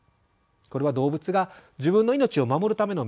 これは動物が自分の命を守るためのメカニズムです。